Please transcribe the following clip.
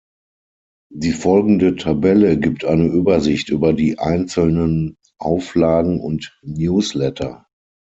Die folgende Tabelle gibt eine Übersicht über die einzelnen Auflagen und Newsletter.